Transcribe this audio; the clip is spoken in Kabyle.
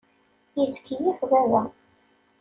Yettkeyyif baba.